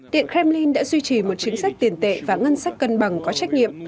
điện kremlin đã duy trì một chính sách tiền tệ và ngân sách cân bằng có trách nhiệm